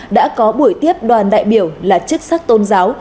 đã có buổi tiếp đoàn đại biểu là chức sắc tôn giáo